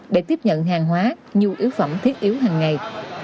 để tiếp nhận hàng hóa nhu yếu phẩm thiết yếu hằng ngày